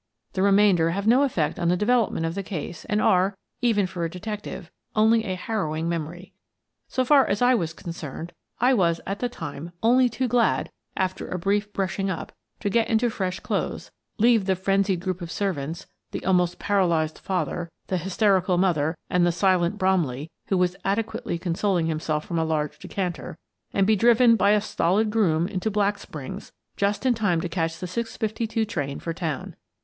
The remainder have no effect on the development of the case and are, even for a detective, only a harrowing memory. So far as I was concerned, I was, at the time, only too glad, after a brief brushing up, to get into fresh clothes, leave the frenzied group of servants, the almost paralyzed father, the hysterical mother, and the silent Bromley, — who was adequately consol ing himself from a large decanter, — and be driven by a stolid groom into Black Springs just in time to catch the six fifty two train for town.